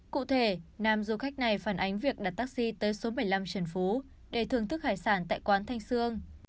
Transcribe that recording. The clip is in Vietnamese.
cụ thể nam du khách này phản ánh việc đặt taxi tới số bảy mươi năm trần phú để thưởng thức hải sản tại quán thanh sương